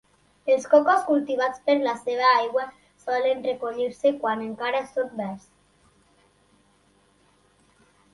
Els cocos cultivats per la seva aigua solen recollir-se quan encara són verds.